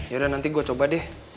yaudah nanti gue coba deh